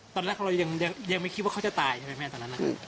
ตอนแรกเรายังไม่คิดว่าเขาจะตายใช่ไหมแม่ตอนนั้น